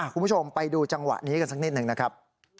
คุณผู้ชมไปดูจังหวะนี้กันสักนิดหนึ่งนะครับ